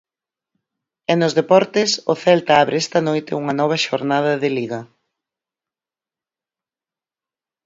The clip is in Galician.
E nos deportes, o Celta abre esta noite unha nova xornada de Liga.